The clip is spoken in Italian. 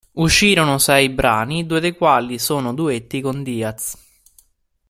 Uscirono sei brani, due dei quali sono duetti con Díaz.